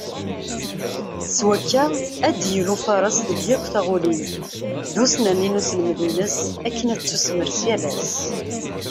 S wakka ad d-yili ufares deg yakk taɣulin, d usnerni n uselmed-ines akken ad tettusemres yal ass.